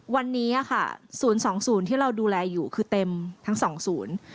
วันนี้ค่ะ๐๒๐ที่เราดูแลอยู่คือเต็มทั้ง๒ศูนย์